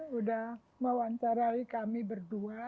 sudah mewawancarai kami berdua